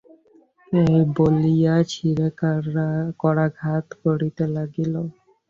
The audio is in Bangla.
এই বলিয়া শিরে করাঘাত করিতে লাগিল।